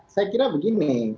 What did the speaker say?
saya kira begini